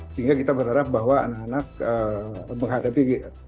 sehingga kita berharap bahwa anak anak menghadapi